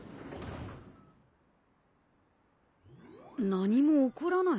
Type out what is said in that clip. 何も起こらない？